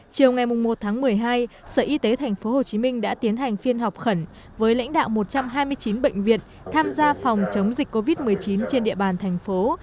chiều ngày một tháng một mươi hai sở y tế tp hcm đã tiến hành phiên họp khẩn với lãnh đạo một trăm hai mươi chín bệnh viện tham gia phòng chống dịch covid một mươi chín trên địa bàn thành phố